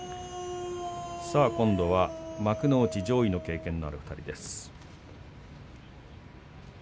今度は幕内上位の経験のある２人です。